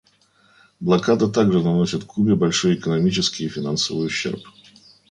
Блокада также наносит Кубе большой экономический и финансовый ущерб.